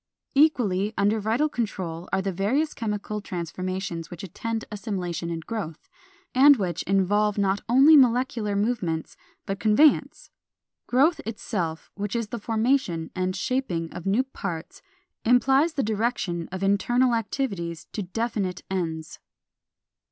Equally under vital control are the various chemical transformations which attend assimilation and growth, and which involve not only molecular movements but conveyance. Growth itself, which is the formation and shaping of new parts, implies the direction of internal activities to definite ends.